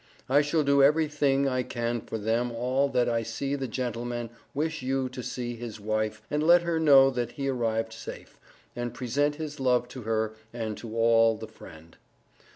I shall do every thing I can for them all that I see the gentleman wish you to see his wife and let her know that he arrived safe, and present his love to her and to all the friend.